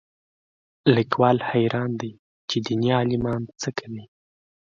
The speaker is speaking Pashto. لیکوال حیران دی چې دیني عالمان څه کوي